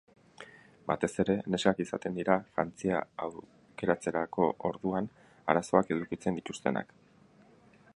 Batez ere, neskak izaten dira jantzia aukeratzeko orduan arazoak edukitzen dituztenak.